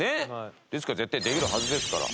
ですから絶対できるはずですから。